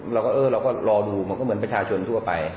เราก็เออเราก็รอดูมันก็เหมือนประชาชนทั่วไป